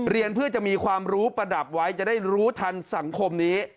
เรียนเพื่อจะมีความรู้ประดับไว้จะได้รู้ทันสังคมนี้